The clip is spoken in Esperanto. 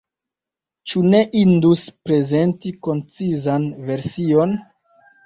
Ĉu ne indus prezenti koncizan version?